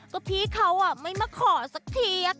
ก็พี่เขาไม่มาขอสักทีอะค่ะ